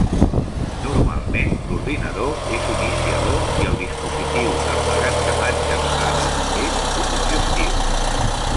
Normalment, l'ordinador és un iniciador i el dispositiu d'emmagatzematge de dades és un objectiu.